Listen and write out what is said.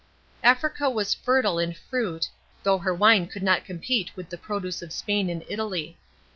Africa was fertile in fruit,* though her wine could not compete with the produce of Spain and Italy.